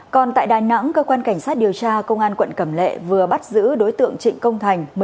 còn tại đà nẵng cơ quan cảnh sát điều tra công an quận cẩm lệ vừa bắt giữ đối tượng trịnh công thành